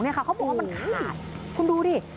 เขาบอกว่ามันฆ่าคุณดูดิ